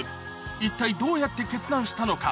一体どうやって決断したのか？